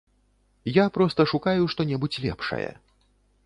Я проста шукаю што-небудзь лепшае.